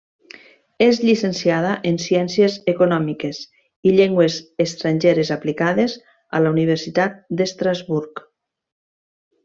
És llicenciada en Ciències Econòmiques i Llengües Estrangeres Aplicades a la Universitat d'Estrasburg.